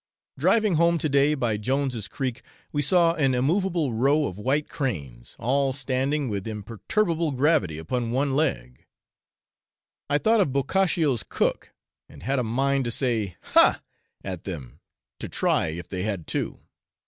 Driving home to day by Jones' Creek, we saw an immovable row of white cranes, all standing with imperturbable gravity upon one leg. I thought of Boccaccio's cook, and had a mind to say, Ha! at them to try if they had two.